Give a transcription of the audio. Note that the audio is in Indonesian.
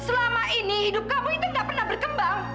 selama ini hidup kamu itu tidak pernah berkembang